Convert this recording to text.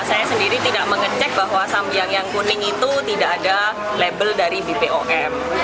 saya sendiri tidak mengecek bahwa sambiang yang kuning itu tidak ada label dari bpom